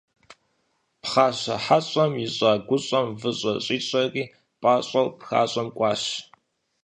Пхъащӏэ хьэщӏэм ищӏа гущӏэм выщӏэ щӏищӏэри, пӏащӏэу пхащӏэм кӏуащ.